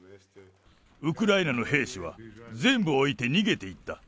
ウクライナの兵士は全部置いて逃げていった。